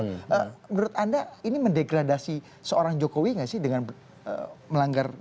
menurut anda ini mendegradasi seorang jokowi nggak sih dengan melanggar